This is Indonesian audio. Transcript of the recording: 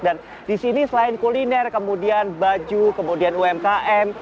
dan di sini selain kuliner kemudian baju kemudian umkm